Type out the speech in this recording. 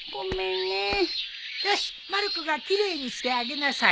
よしまる子が奇麗にしてあげなさい。